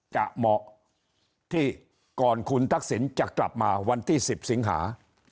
เหมาะที่ก่อนคุณทักษิณจะกลับมาวันที่๑๐สิงหา